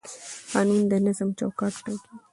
قانون د نظم چوکاټ ټاکي